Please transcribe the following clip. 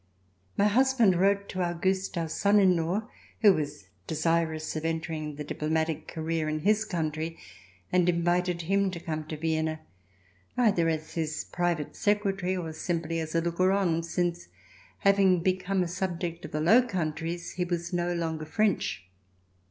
My husband wrote to Auguste, our son in law, who was desirous of entering the diplo matic career in his country, and invited him to come to Vienna, either as his private secretary or simply as a looker on, since, having become a subject of the Low Countries, he was no longer French.